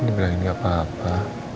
ini berani gak apa apa